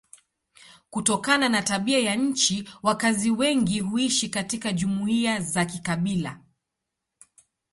Kutokana na tabia ya nchi wakazi wengi huishi katika jumuiya za kikabila.